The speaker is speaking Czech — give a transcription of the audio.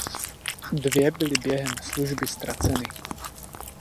Dvě byly během služby ztraceny.